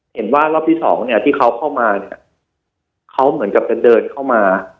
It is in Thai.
เห็นว่ารอบที่สองเนี่ยที่เขาเข้ามาเนี่ยเขาเหมือนกับจะเดินเข้ามา